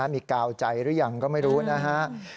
มีกาวใจหรือยังก็ไม่รู้นะครับ